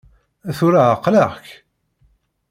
Tura ɛeqleɣ-k!